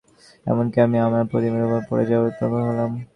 এমনকি আমি আমার মনিবের উপর পড়ে যাওয়ার উপক্রম হলাম।